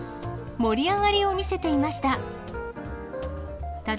盛り上がりを見せていました。